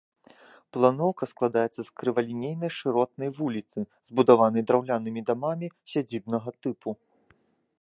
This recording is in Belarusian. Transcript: Планоўка складаецца з крывалінейнай шыротнай вуліцы, забудаванай драўлянымі дамамі сядзібнага тыпу.